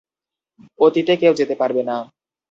অতীতে কেউ যেতে পারবে না।